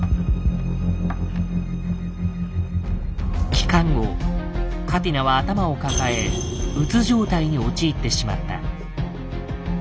帰還後カティナは頭を抱え「うつ状態」に陥ってしまった。